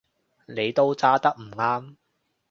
你都揸得唔啱